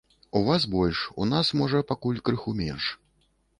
У вас больш, у нас, можа, пакуль крыху менш.